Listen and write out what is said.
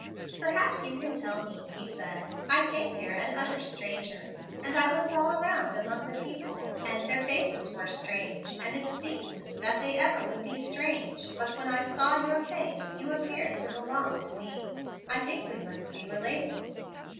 "'Perhaps you can tell me,' he said. 'I came here an utter stranger, and I looked all around among the people, and their faces were strange, and it seemed to me that they ever would be strange; but when I saw your face you appeared to belong to me. I think we must be related.'